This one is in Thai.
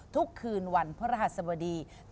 ทุกคืนวันพระรหัสบดี